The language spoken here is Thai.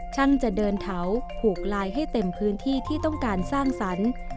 จะเดินเถาผูกลายให้เต็มพื้นที่ที่ต้องการสร้างสรรค์